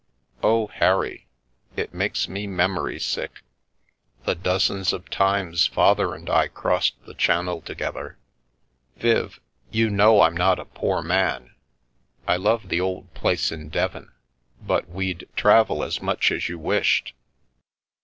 Oh, Harry, it makes me memory sick! The dozens of times Father and I crossed the Channel to gether!" Salt water Philosophy "Viv, you know I'm not a poor man. I love the old place in Devon, but we'd travel as much as you wished."